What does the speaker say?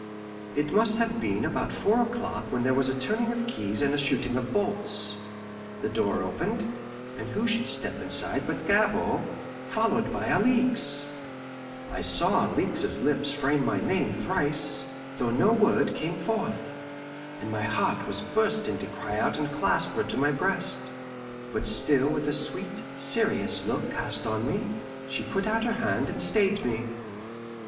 It must have been about four o'clock when there was a turning of keys and a shooting of bolts, the door opened, and who should step inside but Gabord, followed by Alixe! I saw Alixe's lips frame my name thrice, though no word came forth, and my heart was bursting to cry out and clasp her to my breast. But still with a sweet, serious look cast on me, she put out her hand and stayed me.